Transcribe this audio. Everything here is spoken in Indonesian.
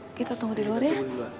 oke kita tunggu di luar ya